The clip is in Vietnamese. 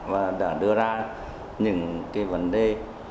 và đã đưa ra những vấn đề